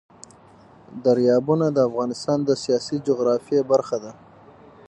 دریابونه د افغانستان د سیاسي جغرافیه برخه ده.